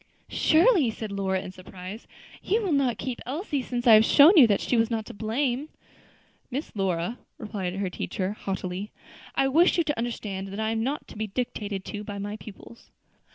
"Surely," said Lora, in surprise, "you will not keep Elsie, since I have shown you that she was not to blame." "Miss Lora," replied her teacher, haughtily, "I wish you to understand that I am not to be dictated to by my pupils."